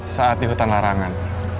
saat di hutan larangan